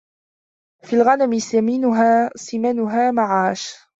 فِي الْغَنَمِ سِمَنُهَا مَعَاشٌ